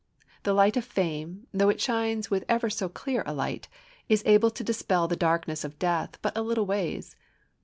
The light of fame, though it shines with ever so clear a light, is able to dispel the darkness of death but a little ways.